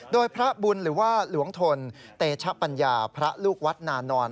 โดยพระบุญหรือว่าหลวงทนเตชะปัญญาพระลูกวัดนานอน